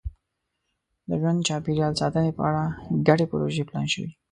د ژوند چاپېریال ساتنې په اړه ګډې پروژې پلان شوي.